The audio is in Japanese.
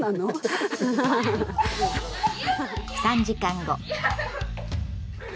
３時間後。